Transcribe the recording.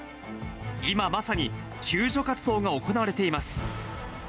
今まさに、救助活動が行われています。